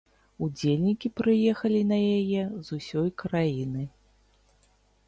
Удзельнікі прыехалі на яе з усёй краіны.